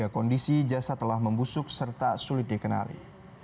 kondisi jasad telah membusuk serta sulit dikenali